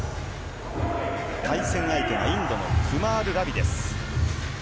対戦相手はインドのクマール・ラビです。